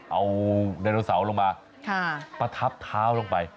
เอาไดโนเสาร์ลงมาประทับเท้าลงไป